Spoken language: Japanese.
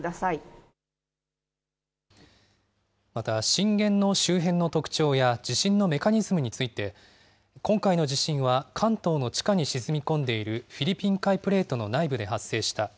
震源の周辺の特徴や地震のメカニズムについて、今回の地震は関東の地下に沈み込んでいるフィリピン海プレートの内部で発生した。